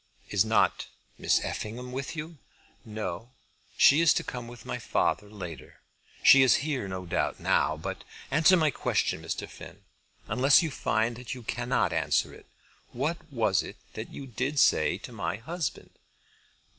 "Is not Miss Effingham with you?" "No; she is to come with my father later. She is here no doubt, now. But answer my question, Mr. Finn; unless you find that you cannot answer it. What was it that you did say to my husband?"